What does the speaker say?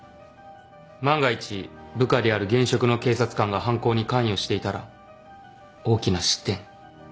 万が一部下である現職の警察官が犯行に関与していたら大きな失点。